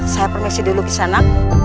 saya permisi dulu gisana